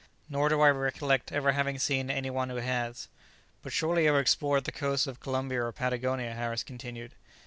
Nor do I recollect ever having seen any one who has." "But surely you have explored the coasts of Columbia or Patagonia," Harris continued.